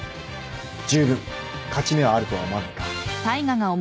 じゅうぶん勝ち目はあるとは思わないか？